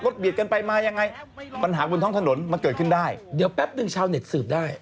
เดี๋ยวแปบนึงชาวเน็ตสืบได้